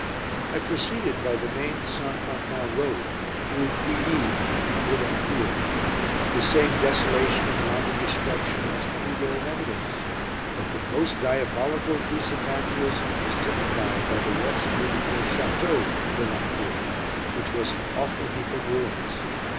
I proceeded by the main St. Quentin road, through Pouilly into Caulaincourt. The same desolation and wanton destruction was everywhere in evidence; but the most diabolical piece of vandalism was typified by the once beautiful Château of Caulaincourt, which was an awful heap of ruins.